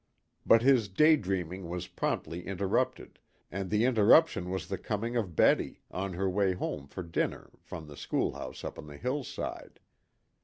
But his day dreaming was promptly interrupted, and the interruption was the coming of Betty, on her way home to her dinner from the schoolhouse up on the hillside.